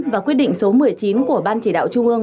và quyết định số một mươi chín của ban chỉ đạo trung ương